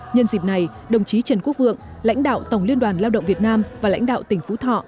nhân dịp này đồng chí trần quốc vượng lãnh đạo tổng liên đoàn lao động việt nam và lãnh đạo tỉnh phú thọ